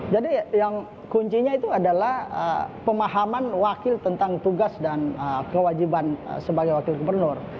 jadi yang kuncinya itu adalah pemahaman wakil tentang tugas dan kewajiban sebagai wakil gubernur